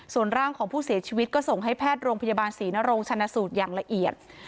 ส่วนร่างของผู้เสียชีวิตก็ส่งให้แพทย์โรงพยาบาลศรีนโรงชนะสูตรอย่างละเอียด